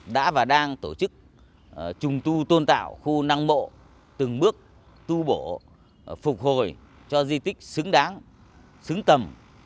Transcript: đã và đang tổ chức trùng tu tôn tạo khu năng mộ từng bước tu bổ phục hồi cho di tích xứng đáng xứng tầm